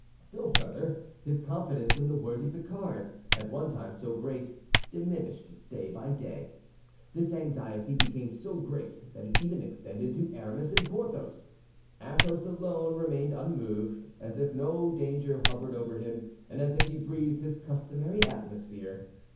Still further, his confidence in the worthy Picard, at one time so great, diminished day by day. This anxiety became so great that it even extended to Aramis and Porthos. Athos alone remained unmoved, as if no danger hovered over him, and as if he breathed his customary atmosphere.